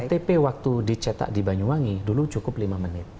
ktp waktu dicetak di banyuwangi dulu cukup lima menit